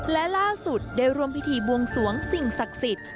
และล่าสุดได้ร่วมพิธีบวงสวงสิ่งศักดิ์สิทธิ์